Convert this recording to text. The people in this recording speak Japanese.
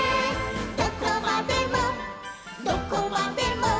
「どこまでもどこまでも」